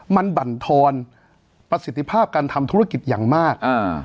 มันบรรทอนประสิทธิภาพการทำธุรกิจอย่างมากอ่า